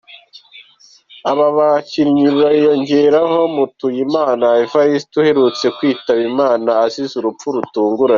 Aba bakinnyi biyongeraho Mutuyimana Evariste uheruka kwitaba Imana azize urupfu rutunguranye.